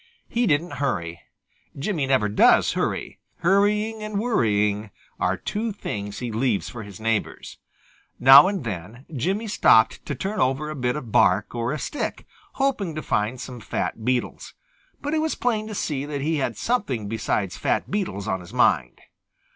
He didn't hurry. Jimmy never does hurry. Hurrying and worrying are two things he leaves for his neighbors. Now and then Jimmy stopped to turn over a bit of bark or a stick, hoping to find some fat beetles. But it was plain to see that he had something besides fat beetles on his mind.